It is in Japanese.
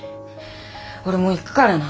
俺もう行くからな。